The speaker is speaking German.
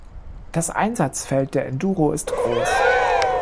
Das Einsatzfeld der Enduro ist groß.